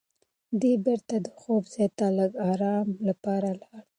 دی بېرته د خوب ځای ته د لږ ارام لپاره لاړ.